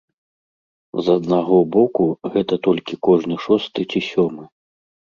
З аднаго боку, гэта толькі кожны шосты ці сёмы.